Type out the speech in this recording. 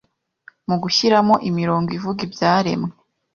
mu gushyiramo imirongo ivuga ibyaremwe